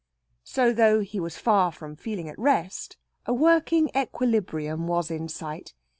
So, though he was far from feeling at rest, a working equilibrium was in sight.